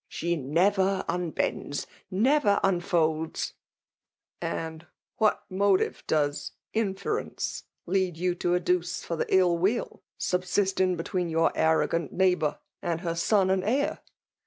She never unbends, never unfcdds !"*." And what motive does inference lead you to adduce for the ill will subsisting between four arrogant B€aighbotir> and her son and heir